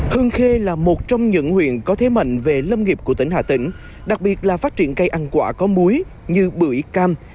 hương khê là một trong những huyện có thế mạnh về lâm nghiệp của tỉnh hà tĩnh đặc biệt là phát triển cây ăn quả có muối như bưởi cam